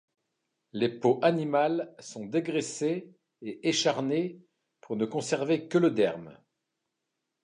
Les peaux animales sont dégraissées et écharnées pour ne conserver que le derme.